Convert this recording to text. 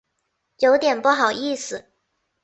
有点不好意思